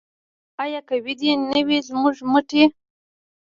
آیا قوي دې نه وي زموږ مټې؟